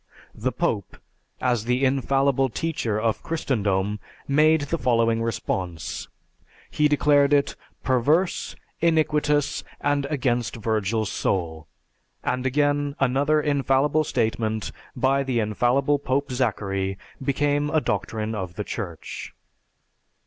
The Pope, as the infallible teacher of Christendom, made the following response: He declared it, "Perverse, iniquitous, and against Virgil's soul." And again another infallible statement by the infallible Pope Zachary became a doctrine of the Church.